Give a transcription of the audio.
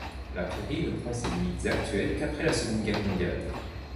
La Prairie ne prend ses limites actuelles qu'après la Seconde Guerre mondiale.